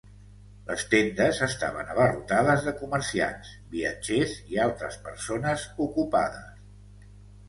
Les tendes estaven abarrotades de comerciants, viatgers i altres persones ocupades.